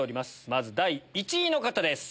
まず第１位の方です。